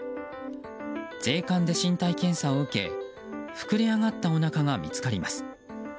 税関で身体検査を受け膨れ上がったおなかが見つかります。